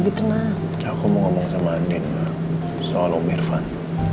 irfan kenapa sama irfan